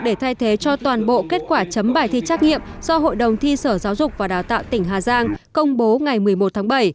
để thay thế cho toàn bộ kết quả chấm bài thi trắc nghiệm do hội đồng thi sở giáo dục và đào tạo tỉnh hà giang công bố ngày một mươi một tháng bảy